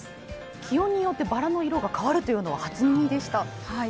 気温によってバラの色が変わるというのは、初耳でした。